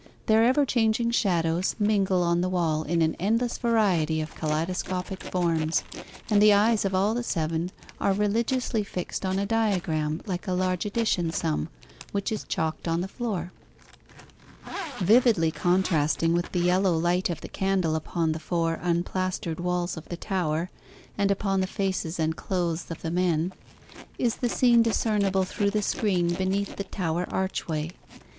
Their ever changing shadows mingle on the wall in an endless variety of kaleidoscopic forms, and the eyes of all the seven are religiously fixed on a diagram like a large addition sum, which is chalked on the floor. Vividly contrasting with the yellow light of the candle upon the four unplastered walls of the tower, and upon the faces and clothes of the men, is the scene discernible through the screen beneath the tower archway.